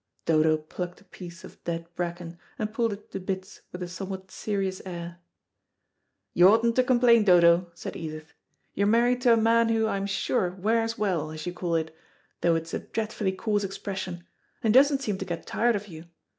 Dodo plucked a piece of dead bracken, and pulled it to bits with a somewhat serious air. "You oughtn't to complain, Dodo," said Edith. "You're married to a man who, I am sure, wears well, as you call it, though it's a dreadfully coarse expression, and he doesn't seem to get tired of you.